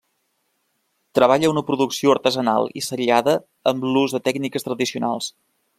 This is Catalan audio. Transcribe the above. Treballa una producció artesanal i seriada amb l'ús de tècniques tradicionals.